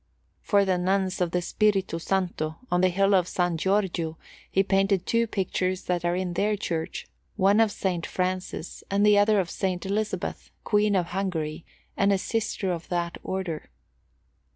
For the Nuns of the Spirito Santo, on the hill of San Giorgio, he painted two pictures that are in their church, one of S. Francis, and the other of S. Elizabeth, Queen of Hungary and a sister of that Order.